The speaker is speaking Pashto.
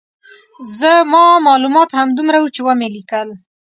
زما معلومات همدومره وو چې ومې لیکل.